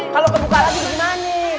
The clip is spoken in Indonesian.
kalau kebuka lagi gimana